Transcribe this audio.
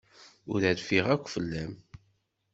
Ur rfiɣ akk fell-am.